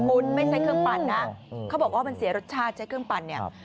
คุณไม่ใช่เครื่องปั่นนะเขาบอกว่ามันเสียรสชาติใช้เครื่องปั่นเนี่ย